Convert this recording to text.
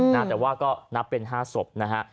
น่าจะว่าก็นับเป็น๕ศพนะฮะ